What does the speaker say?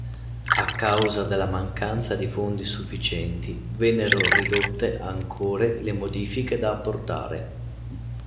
A causa della mancanza di fondi sufficienti vennero ridotte ancore le modifiche da apportare.